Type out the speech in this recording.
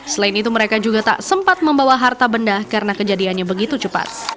selain itu mereka juga tak sempat membawa harta benda karena kejadiannya begitu cepat